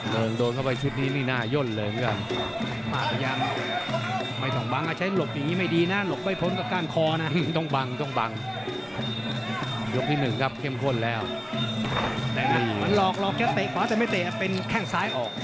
โหโม่นกล้ามพอเลย